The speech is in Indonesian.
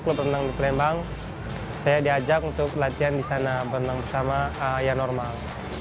kalau berenang di pelembang saya diajak untuk latihan di sana berenang bersama yang normal